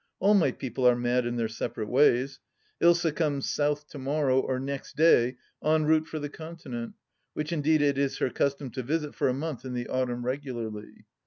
... All my people are mad in their separate ways. Ilsa comes South to morrow, or next day, en route for the Continent, which indeed it is her custom to visit for a month in the autumn regularly.